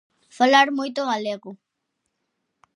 Falar moito galego.